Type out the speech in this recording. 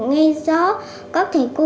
nghe gió các thầy cô dạy